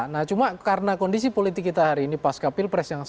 nah cuma karena kondisi politik kita hari ini pas ke pilpres yang sangat